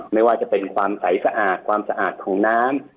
ไม่ว่าจะเป็นความใสสะอาดความสะอาดของน้ำ